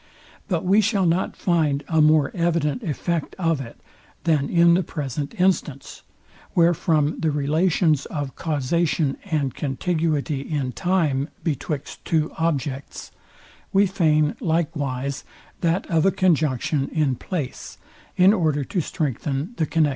But we shall not find a more evident effect of it, than in the present instance, where from the relations of causation and contiguity in time betwixt two objects, we feign likewise that of a conjunction in place, in order to strengthen the connexion.